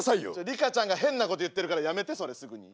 リカちゃんが変なこと言ってるからやめてそれすぐに。